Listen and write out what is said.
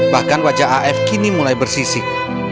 bahkan wajah af kini mulai bersisik